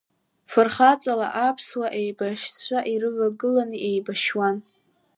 Фырхаҵала аԥсуа еибашьцәа ирывагыланы иеибашьуан.